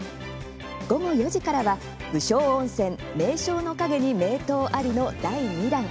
午後４時からは「武将温泉名将の陰に名湯あり」の第２弾。